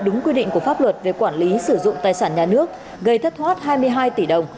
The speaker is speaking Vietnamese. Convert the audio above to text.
đúng quy định của pháp luật về quản lý sử dụng tài sản nhà nước gây thất thoát hai mươi hai tỷ đồng